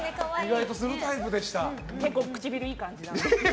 結構、唇いい感じなんです。